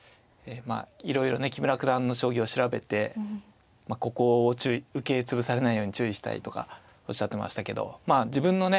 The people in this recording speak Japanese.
まあいろいろね木村九段の将棋を調べてここを受け潰されないように注意したいとかおっしゃってましたけど自分のね